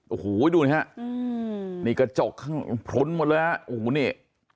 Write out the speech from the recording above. โอ้โหดูนะฮะมีกระจกข้างล่างพรุ้นหมดแล้วนะฮะโอ้โหนี่